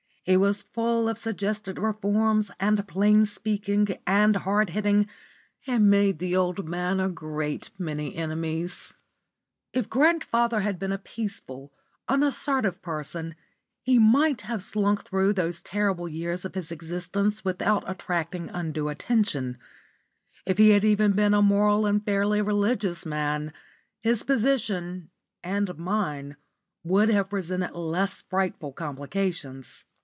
It was full of suggested reforms and plain speaking and hard hitting, and made the old man a great many enemies. If grandfather had been a peaceful, unassertive person, he might have slunk through those terrible years of his existence without attracting undue attention; if he had even been a moral and fairly religious man, his position (and mine) would have presented less frightful complications.